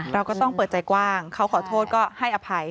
เราก็ต้องเปิดใจกว้างเขาขอโทษก็ให้อภัย